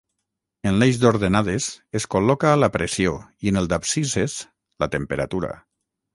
En l'eix d'ordenades es col·loca la pressió i en el d'abscisses la temperatura.